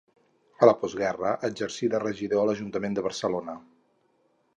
A la postguerra exercí de regidor de l'Ajuntament de Barcelona.